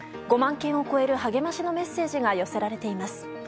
５万件を超える励ましのメッセージが寄せられています。